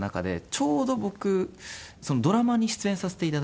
ちょうど僕ドラマに出演させていただいてたんですね。